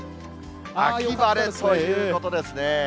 秋晴れということですね。